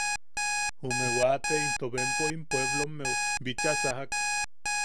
Jume wate into bempoʼim puepplommeu bicha sajak.